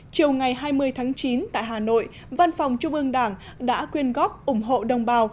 chiều ngày hai mươi tháng chín tại hà nội văn phòng trung ương đảng đã quyên góp ủng hộ đồng bào